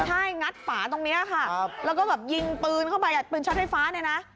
ใช่งัดฝาตรงนี้ค่ะแล้วก็แบบยิงปืนเข้าไปอ่ะปืนช็อตไฟฟ้าเนี่ยนะ